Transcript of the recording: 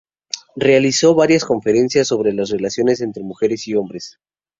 Realizó varias conferencias sobre las relaciones entre mujeres y hombres.